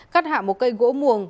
cắt hạ một cây gỗ muồng